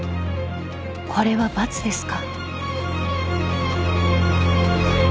これは罰ですか？］